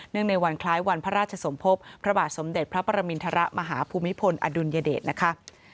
ในวันคล้ายวันพระราชสมภพพระบาทสมเด็จพระปรมินทรมาฮภูมิพลอดุลยเดชนะคะ